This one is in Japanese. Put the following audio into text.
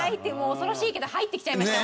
恐ろしいけど入ってきちゃいました。